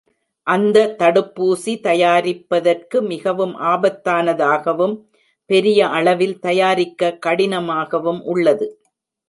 அந்த தடுப்பூசி, தயாரிப்பதற்கு மிகவும் ஆபத்தானதாகவும், பெரிய அளவில் தயாரிக்க கடினமாகவும் உள்ளது.